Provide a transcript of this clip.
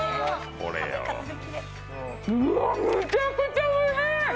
うわ、めちゃくちゃおいしい！